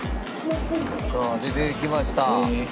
さあ出てきました。